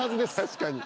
確かに。